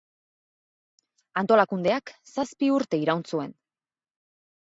Antolakundeak zazpi urte iraun zuen.